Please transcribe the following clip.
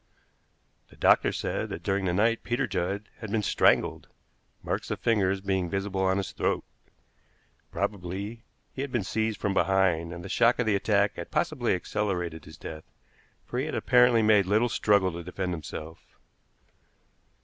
The doctor said that during the night Peter Judd had been strangled, marks of fingers being visible on his throat. Probably he had been seized from behind, and the shock of the attack had possibly accelerated his death, for he had apparently made little struggle to defend himself.